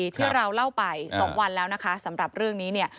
ที่เราเล่าไป๒วันแล้วนะคะสำหรับเรื่องนี้เนี่ย